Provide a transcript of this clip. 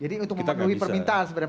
jadi untuk memenuhi permintaan sebenarnya